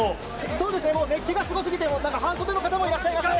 そうですね、もう熱気がすごすぎて、半袖の方もいらっしゃいますね。